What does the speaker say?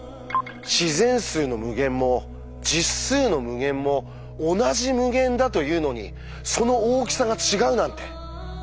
「自然数の無限」も「実数の無限」も同じ無限だというのにその大きさが違うなんて。